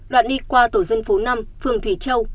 đoạn đi qua tổ dân phố năm phường thủy châu